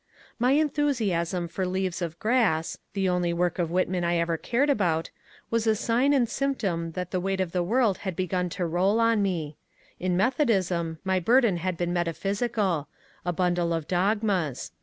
My enthusiasm for ^^ Leaves of Grass " (the only work of I Whitman I ever cared about) was a sign and symptom that I the weight of the world had begun to roll on me. In Metho ; dism my burden had been metaphysical, — a bundle of dog mas.